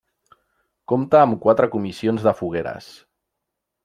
Compta amb quatre comissions de fogueres.